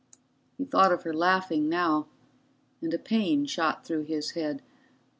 He thought of her laughing now, and a pain shot through his head.